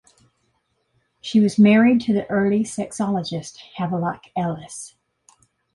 She was married to the early sexologist Havelock Ellis.